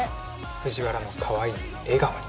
藤原のかわいい笑顔に！